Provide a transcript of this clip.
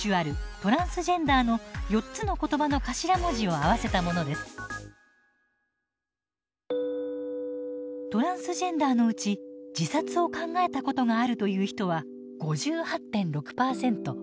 トランスジェンダーのうち自殺を考えたことがあるという人は５８．６％。